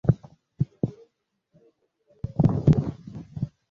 Abagore b'umuhondo bambaye ishati y'ubururu bashaka intebe ye